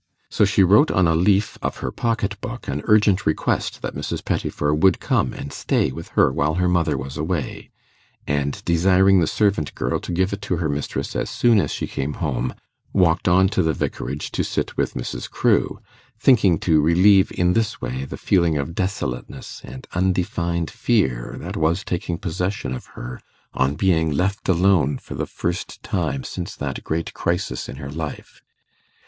So she wrote on a leaf of her pocket book an urgent request that Mrs. Pettifer would come and stay with her while her mother was away; and, desiring the servant girl to give it to her mistress as soon as she came home, walked on to the Vicarage to sit with Mrs. Crewe, thinking to relieve in this way the feeling of desolateness and undefined fear that was taking possession of her on being left alone for the first time since that great crisis in her life.